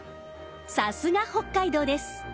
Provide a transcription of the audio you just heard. さすが北海道です。